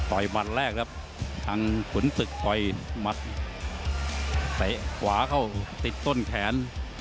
ยมัดแรกครับทางขุนศึกต่อยหมัดเตะขวาเข้าติดต้นแขน